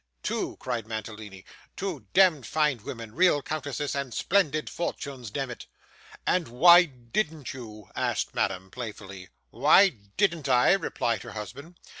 'Two!' cried Mantalini. 'Two demd fine women, real countesses and splendid fortunes, demmit.' 'And why didn't you?' asked Madame, playfully. 'Why didn't I!' replied her husband.